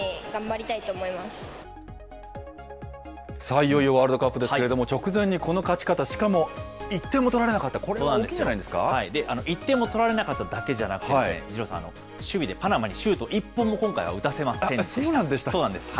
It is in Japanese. いよいよワールドカップですけれども、直前にこの勝ち方、しかも１点も取られなかった、これは大きいん１点も取られなかっただけじゃなくて、二郎さん、守備でパナマにシュート、１本も今回は打たせませんでした。